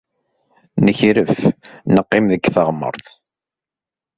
Nekref, neqqim deg teɣmert.